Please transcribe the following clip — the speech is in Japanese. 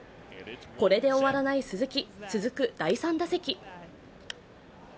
これで終わらない鈴木続く第３打席。